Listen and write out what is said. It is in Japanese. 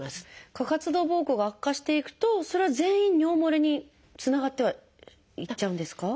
過活動ぼうこうが悪化していくとそれは全員尿もれにつながってはいっちゃうんですか？